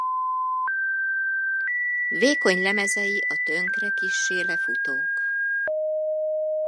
Vékony lemezei a tönkre kissé lefutók.